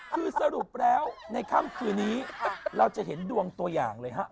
คือสรุปแล้วในค่ำคืนนี้เราจะเห็นดวงตัวอย่างเลยฮะ